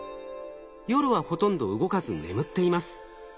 夜はほとんど動かず眠っています。